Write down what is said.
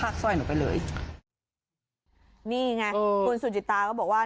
คุณสุจิตราก็บอกว่า